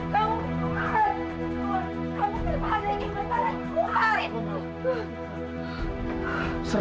kamu fitnah nenek yang benar